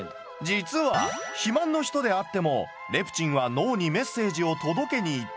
実は肥満の人であってもレプチンは脳にメッセージを届けに行っている。